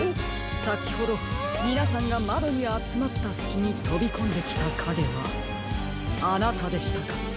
さきほどみなさんがまどにあつまったすきにとびこんできたかげはあなたでしたか。